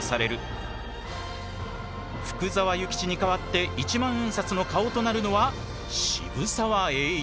福沢諭吉に代わって１万円札の顔となるのは渋沢栄一。